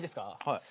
はい。